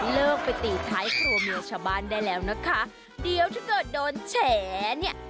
เลิกไปตีท้ายครัวเมียชาวบ้านได้แล้วนะคะเดี๋ยวถ้าเกิดโดนแฉเนี่ย